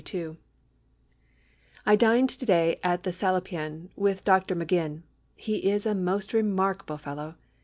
] "I dined to day at the Salopian with Dr. Maginn. He is a most remarkable fellow.